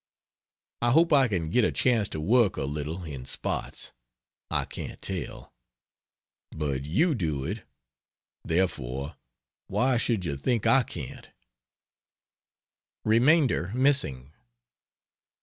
I hope I can get a chance to work a little in spots I can't tell. But you do it therefore why should you think I can't? [Remainder missing.